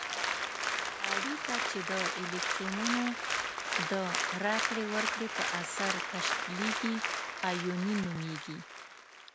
اړیکه چې د الکترونونو د راکړې ورکړې په اثر تشکیلیږي آیوني نومیږي.